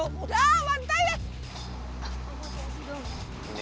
udah mantai ya